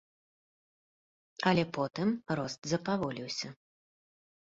Але потым рост запаволіўся.